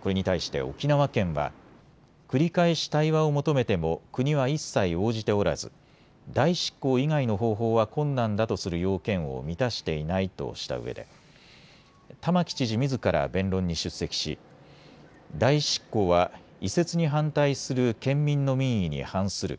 これに対して沖縄県は繰り返し対話を求めても国は一切応じておらず代執行以外の方法は困難だとする要件を満たしていないとしたうえで玉城知事みずから弁論に出席し代執行は移設に反対する県民の民意に反する。